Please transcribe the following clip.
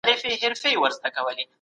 اندېښنه تقدیر نه بدلوي.